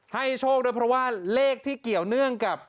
โชคด้วยเพราะว่าเลขที่เกี่ยวเนื่องกับ